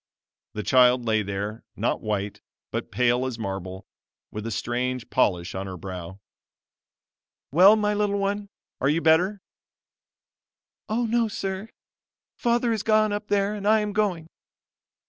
The child lay there, not white, but pale as marble, with a strange polish on her brow. "Well my little one, are you better?" "Oh no, sir; Father is gone up there and I am going."